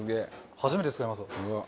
初めて使います。